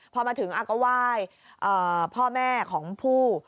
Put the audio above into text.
พอมาถึงอักว่ายพ่อแม่ของผู้